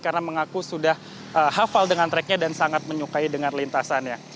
karena mengaku sudah hafal dengan treknya dan sangat menyukai dengan lintasannya